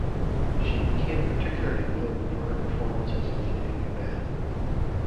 She became particularly known for her performances as Lady Macbeth.